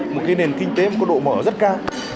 một nền kinh tế có độ mở rất cao